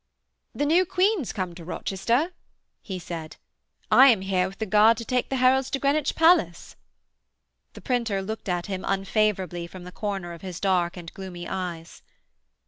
'The new Queen's come to Rochester,' he said; 'I am here with the guard to take the heralds to Greenwich Palace.' The printer looked at him unfavourably from the corner of his dark and gloomy eyes.